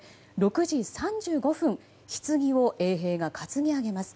６時３５分ひつぎを衛兵が担ぎ上げます。